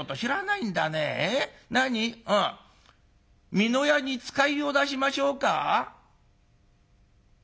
美濃屋に使いを出しましょうか？